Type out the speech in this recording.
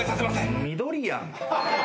緑やん！